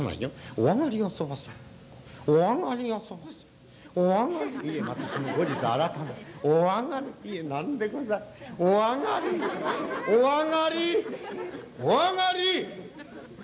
『お上がりお上がりお上がり！』」。